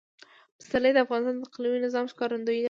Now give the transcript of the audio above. پسرلی د افغانستان د اقلیمي نظام ښکارندوی ده.